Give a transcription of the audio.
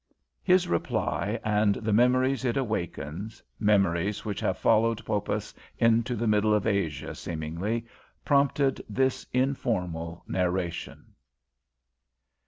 His reply, and the memories it awakens memories which have followed Poppas into the middle of Asia, seemingly, prompted this informal narration.